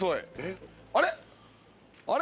あれ？